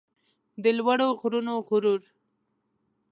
د لوړو غرونو غرور